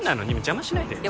邪魔しないでよ